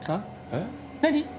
えっ？何っ？